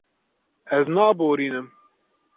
Ez naborînim.